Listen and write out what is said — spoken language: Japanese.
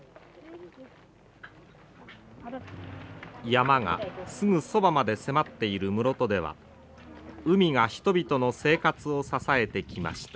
山がすぐそばまで迫っている室戸では海が人々の生活を支えてきました。